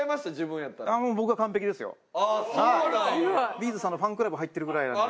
Ｂ’ｚさんのファンクラブ入ってるぐらいなんで。